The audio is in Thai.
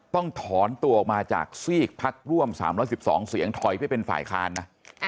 ต้องถอนตัวออกมาจากซีกพักร่วม๓๑๒เสียงถอยไปเป็นฝ่ายค้านนะ